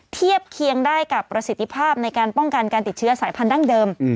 เทียบเคียงได้กับประสิทธิภาพในการป้องกันการติดเชื้อสายพันธั้งเดิม